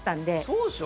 そうでしょ。